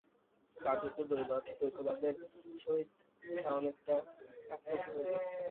কার্যত দ্বৈতবাদের সহিত ইহা অনেকটা একরূপই হইল।